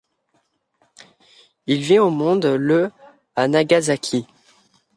Il vient au monde le à Nagasaki.